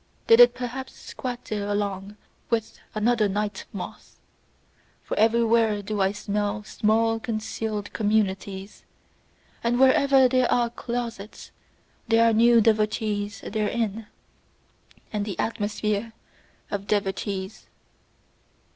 Did it perhaps squat there along with another night moth? For everywhere do I smell small concealed communities; and wherever there are closets there are new devotees therein, and the atmosphere of devotees.